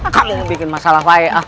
kamu yang bikin masalah ayah